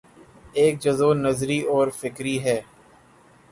ایک جزو نظری اور فکری ہے۔